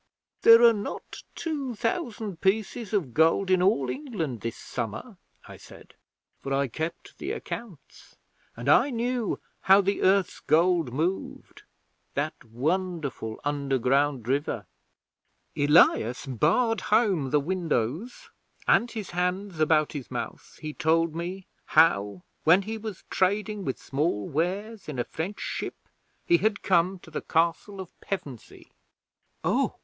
'"There are not two thousand pieces of gold in all England this summer," I said, for I kept the accounts, and I knew how the earth's gold moved that wonderful underground river. Elias barred home the windows, and, his hands about his mouth, he told me how, when he was trading with small wares in a French ship, he had come to the Castle of Pevensey.' 'Oh!'